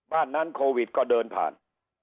บ้านนั้นโควิดก็เดินผ่าน